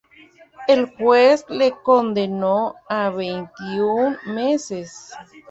El juez le condenó a veintiún meses.